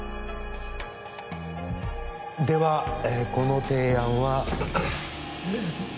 ではこの提案は・えっ！？